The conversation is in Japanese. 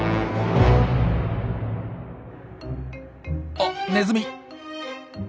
あっネズミ。